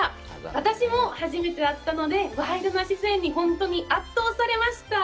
私も初めてだったので、ワイルドな自然に圧倒されました。